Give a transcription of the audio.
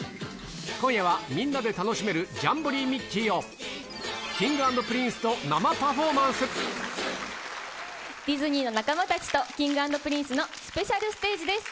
今夜は、みんなで楽しめるジャンボリミッキー！を、Ｋｉｎｇ＆Ｐｒｉｎｃディズニーの仲間たちとＫｉｎｇ＆Ｐｒｉｎｃｅのスペシャルステージです。